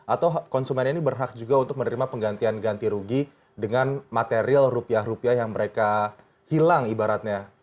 atau konsumen ini berhak juga untuk menerima penggantian ganti rugi dengan material rupiah rupiah yang mereka hilang ibaratnya